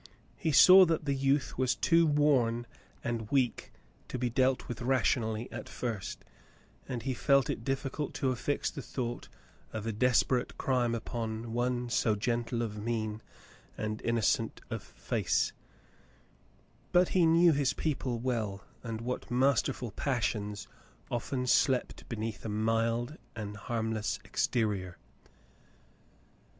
He saw that the youth was too worn and weak to be dealt with rationally at first, and he felt it difficult to affix the thought of a desperate crime upon one so gentle of mien and innocent of face; but he knew his people well, and what masterful passions often slept beneath a mild and harmless exterior.